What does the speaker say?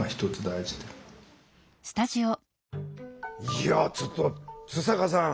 いやちょっと津坂さん